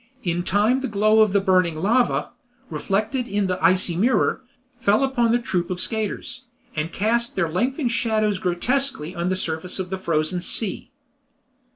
In time the glow of the burning lava, reflected in the icy mirror, fell upon the troop of skaters, and cast their lengthened shadows grotesquely on the surface of the frozen sea.